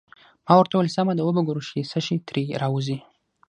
ما ورته وویل: سمه ده، وبه ګورو چې څه شي ترې راوزي.